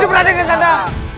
hidup raden kian santang